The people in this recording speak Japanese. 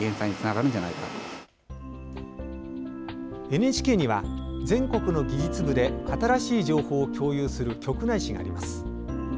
ＮＨＫには全国の技術部で新しい情報を共有する局内誌があります。